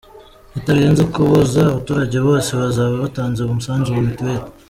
Bitarenze Ukuboza abaturage bose bazaba batanze umusanzu wa Mitiweli